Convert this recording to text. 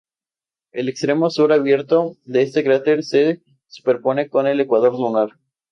El extremo sur abierto de este cráter se superpone con el ecuador lunar.